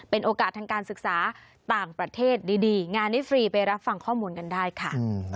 เป็นโอกาสทางการศึกษาต่างประเทศดีงานนี้ฟรีไปรับฟังข้อมูลกันได้ค่ะ